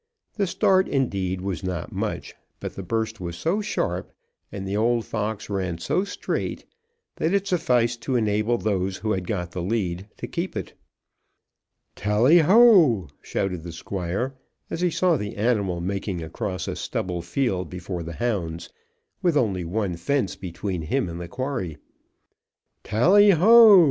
The start, indeed, was not much, but the burst was so sharp, and the old fox ran so straight, that it sufficed to enable those who had got the lead to keep it. "Tally ho!" shouted the Squire, as he saw the animal making across a stubble field before the hounds, with only one fence between him and the quarry. "Tally ho!"